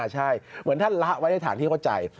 ใช่เหมือนท่านละไว้ในฐานที่เข้าใจ